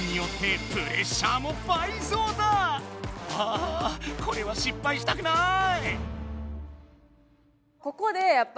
あこれはしっぱいしたくない！